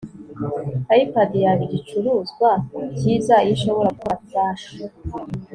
ipad yaba igicuruzwa cyiza iyo ishobora gukora flash